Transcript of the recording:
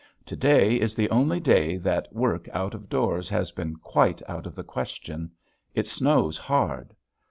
To day is the only day that work out of doors has been quite out of the question. It snows hard.